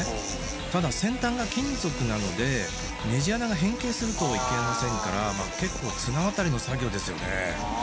ただ先端が金属なのでネジ穴が変形するとも言いきれませんから結構綱渡りの作業ですよねああ